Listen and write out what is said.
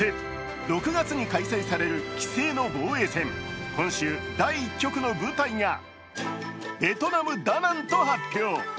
６月に開催される棋聖の防衛戦、第１局の舞台がベトナム・ダナンと発表。